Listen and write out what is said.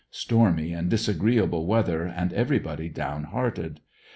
Stormy and disagreeable weather and everybody down hearted.